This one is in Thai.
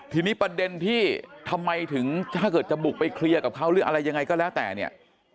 ทีนี้ประเด็นที่ทำไมถึงถ้าเกิดจะบุกไปเคลียร์กับเขาหรืออะไรยังไงก็แล้วแต่เนี่ย